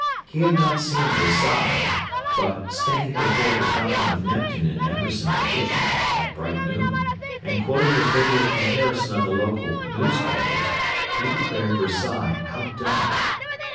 He had not seen Versailles, but, standing before the Fountain of Neptune in Amberson Addition, at bright noon, and quoting the favourite comparison of the local newspapers, he declared Versailles outdone.